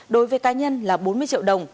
đối với cá nhân là bốn mươi triệu đồng